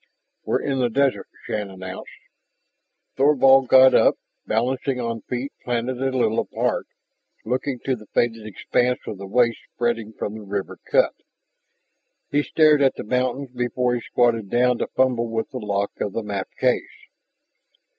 "We're in the desert," Shann announced. Thorvald got up, balancing on feet planted a little apart, looking to the faded expanse of the waste spreading from the river cut. He stared at the mountains before he squatted down to fumble with the lock of the map case.